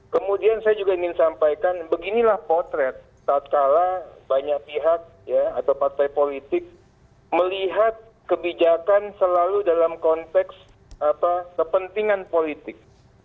kemudian saya juga ingin sampaikan beginilah potret saat kala banyak pihak atau partai politik melihat kebijakan selalu dalam konteks kepentingan politik